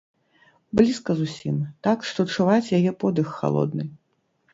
Блізка зусім, так, што чуваць яе подых халодны.